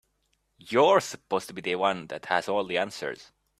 You're supposed to be the one that has all the answers.